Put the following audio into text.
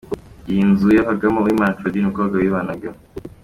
Iyi nzu yabagamo Uwimana Claudine, umukobwa wibanaga.